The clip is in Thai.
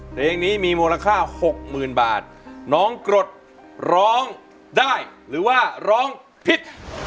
เพลงนี้มีมูลค่าหกหมื่นบาทน้องกรดร้องได้หรือว่าร้องผิด